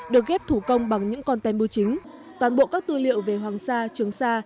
được ghép thủ công bằng những con tem bưu chính toàn bộ các tư liệu về hoàng sa trường sa